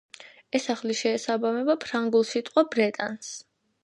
ეს სახელი შეესაბამება ფრანგულ სიტყვა „ბრეტანს“.